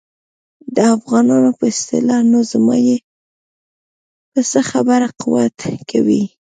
د افغانانو په اصطلاح نو زما یې په څه خبره قوت کوي.